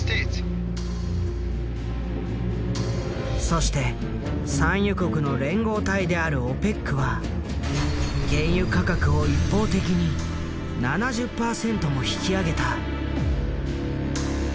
そして産油国の連合体であるＯＰＥＣは原油価格を一方的に７０％も引き上げた。